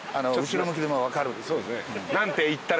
後ろ向きで分かる。